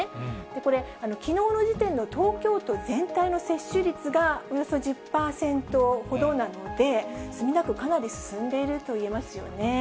これ、きのうの時点の東京都全体の接種率がおよそ１０％ほどなので、墨田区かなり進んでいると言えますよね。